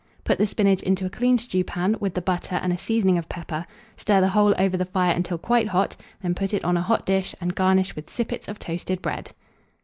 Put the spinach into a clean stewpan, with the butter and a seasoning of pepper; stir the whole over the fire until quite hot; then put it on a hot dish, and garnish with sippets of toasted bread.